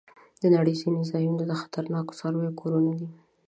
د نړۍ ځینې ځایونه د خطرناکو څارويو کورونه دي.